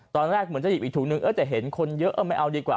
ตอนแรกเหมือนจะหยิบอีกถุงนึงเออแต่เห็นคนเยอะ